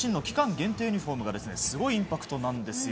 限定ユニホームがすごいインパクトなんですよ。